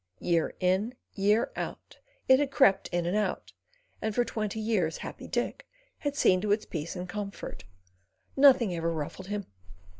Year in, year out, it had crept in and out, and for twenty years Happy Dick had seen to its peace and comfort. Nothing ever ruffled him.